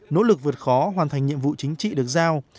nỗ lực vượt khó hoàn thành nhiệm vụ chính trị được giao